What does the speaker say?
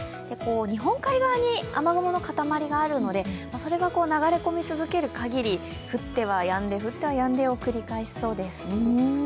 日本海側に雨雲のかたまりがあるのでそれが流れ込み続けるかぎり、降ってはやんでを繰り返しそうです。